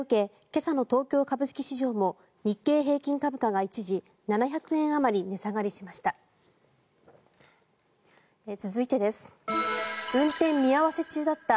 今朝の東京株式市場も日経平均株価が一時７００円あまり値下がりしました。